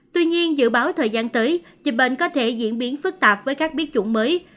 tuy nhiên dự báo thời gian tới dịch bệnh có thể diễn biến phức tạp với các biến chủng mới